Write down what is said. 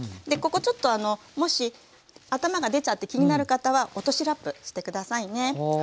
でここちょっともし頭が出ちゃって気になる方は落としラップして下さいね。